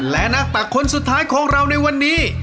และนักตักคนสุดท้ายของเราในวันนี้